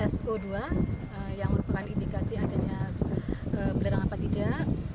so dua yang merupakan indikasi adanya belerang apa tidak